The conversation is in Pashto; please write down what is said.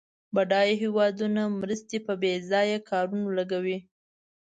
بډایه هېوادونه مرستې په بیځایه کارونو لګوي.